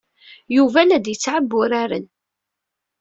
Yuba la d-yettɛebbi uraren.